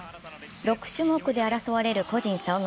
６種目で争われる個人総合。